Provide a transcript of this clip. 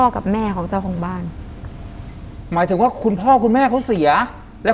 กับแม่ของเจ้าของบ้านหมายถึงว่าคุณพ่อคุณแม่เขาเสียแล้ว